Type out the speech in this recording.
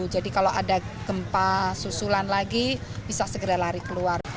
jadi kalau ada gempa susulan lagi bisa segera lari keluar